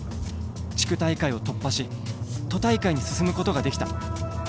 地区大会を突破し都大会に進むことができた。